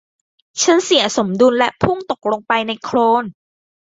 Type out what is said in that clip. ฉันเสียสมดุลและพุ่งตกลงไปในโคลน